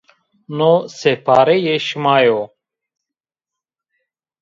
No sêpareyê şima yo